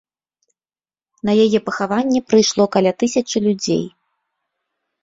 На яе пахаванне прыйшло каля тысячы людзей.